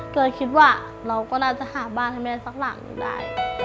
ก็เลยคิดว่าเราก็น่าจะหาบ้านให้แม่สักหลังหนึ่งได้